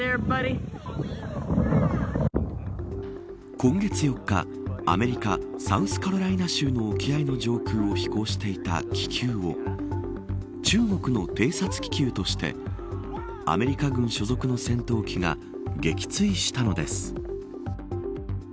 今月４日アメリカ、サウスカロライナ州の沖合の上空を飛行していた気球を、中国の偵察気球としてアメリカ軍所属の戦闘機が撃墜したのです。